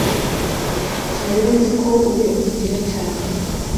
Sinari nzi ko uri umukire cyane